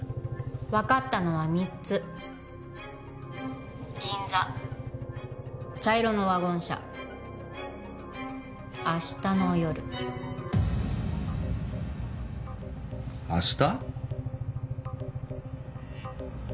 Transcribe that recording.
分かったのは３つ銀座茶色のワゴン車明日の夜明日！？